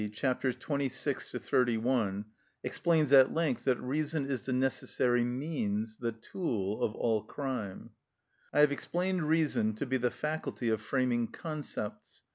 c. 26 31) explains at length that reason is the necessary means, the tool, of all crime. I have explained reason to be the faculty of framing concepts.